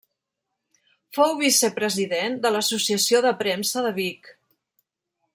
Fou vicepresident de l'Associació de Premsa de Vic.